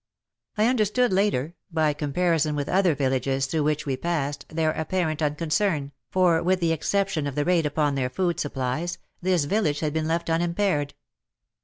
I understood later — by comparison with other villages through which we passed — their apparent unconcern, for with the exception of the raid upon their food supplies, this village had been left unimpaired.